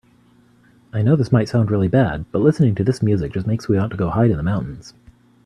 I know this might sound really bad, but listening to this music just makes me want to go hide in the mountains.